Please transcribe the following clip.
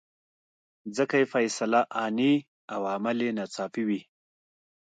ځکه یې فیصله آني او عمل یې ناڅاپي وي.